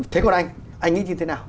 thế còn anh anh nghĩ như thế nào